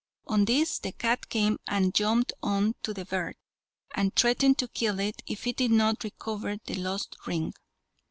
On this the cat came out and jumped on to the bird, and threatened to kill it if it did not recover the lost ring.